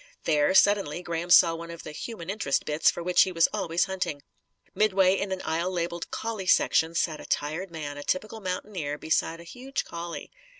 There, suddenly, Graham saw one of the "human interest bits" for which he was always hunting. Midway in an aisle labelled COLLIE SECTION sat a tired man, a typical mountaineer, beside a huge collie.